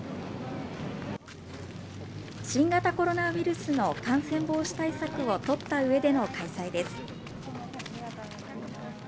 新型コロナウイルスの感染防止対策を取ったうえでの開催です。